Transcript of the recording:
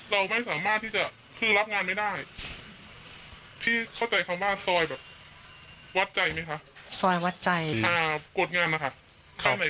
เราไม่สามารถที่จะรับงานไม่ได้พี่เข้าใจคำว่าซอยวัดใจมั้ย